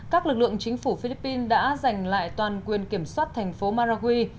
các lực lượng chính phủ philippines đã giành lại toàn quyền kiểm soát thành phố maragui